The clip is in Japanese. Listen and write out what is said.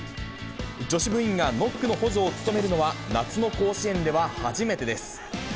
女子部員がノックの補助を務めるのは、夏の甲子園では初めてです。